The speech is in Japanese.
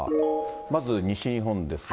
まず西日本ですが。